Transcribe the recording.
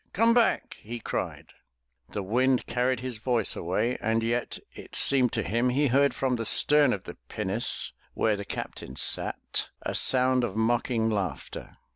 Come back!'' he cried. The wind carried his voice away, and yet it seemed to him he heard from the stern of the pinnace where the Captain sat, a sound of mocking laughter.